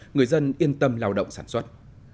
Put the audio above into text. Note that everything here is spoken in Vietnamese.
người dân yên tâm lao động sản xuất